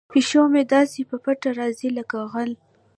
پیشو مې داسې په پټه راځي لکه غل.